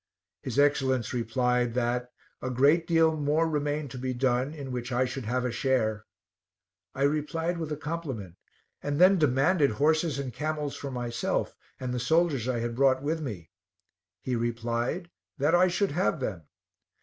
His Excellence replied that a "great deal more remained to be done, in which I should have a share." I replied with a compliment, and then demanded horses and camels for myself, and the soldiers I had brought with me; he replied "that I should have them."